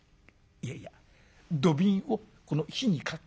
いやいや土瓶をこの火にかけ。